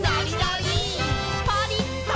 「パリッ！」